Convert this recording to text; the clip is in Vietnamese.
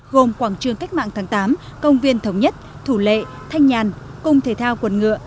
gồm quảng trường cách mạng tháng tám công viên thống nhất thủ lệ thanh nhàn cung thể thao quần ngựa